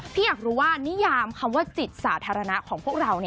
อยากรู้ว่านิยามคำว่าจิตสาธารณะของพวกเรา